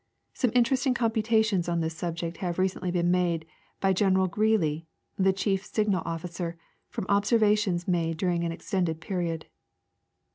Some interesting computations on this sub ject have recently been made by General Greely, the chief' sig nal officer,* from observations made during an extended period.